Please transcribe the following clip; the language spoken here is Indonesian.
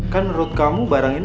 kan menurut kamu barang ini